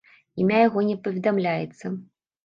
Імя яго не паведамляецца.